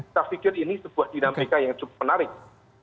saya pikir ini sebuah dinamika yang cukup menarik